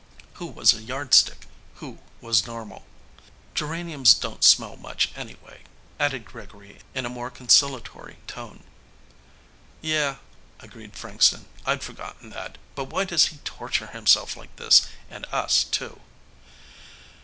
Who was a yardstick? Who was normal? "Geraniums don't smell much anyway," added Gregory in a more conciliatory tone. "Yeah," agreed Frankston, "I'd forgotten that. But why does he torture himself like this, and us, too?"